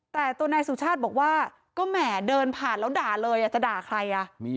แต่ตัวนายสุชาติบอกว่าก็แหมเดินผ่านแล้วด่าเลยจะด่าใคร